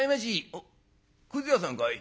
「おっくず屋さんかい？